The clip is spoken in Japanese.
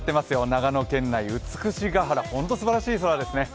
長野県内美ヶ原、本当に美しいですね。